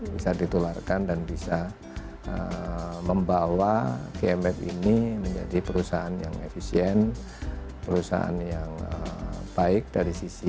bisa ditularkan dan bisa membawa gmf ini menjadi perusahaan yang efisien perusahaan yang baik dari sisi